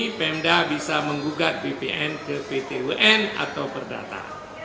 bpn bisa menggugat bpn ke pt un atau berdata